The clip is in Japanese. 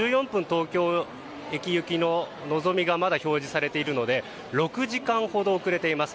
東京駅行きの「のぞみ」がまだ表示されているので６時間ほど遅れています。